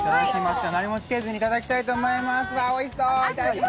何もつけずにいただきたいと思います。